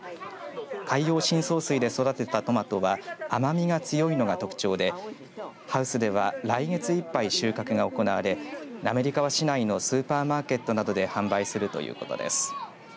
海洋深層水で育てたトマトは甘みが強いのが特徴でハウスでは来月いっぱい収穫が行われ滑川市内のスーパーマーケットなどで販売するということです。